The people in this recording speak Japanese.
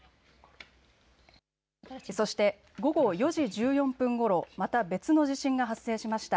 そして午後４時１４分ごろ、また別の地震が発生しました。